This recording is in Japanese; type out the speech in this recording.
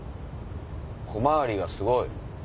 小回りがすごい！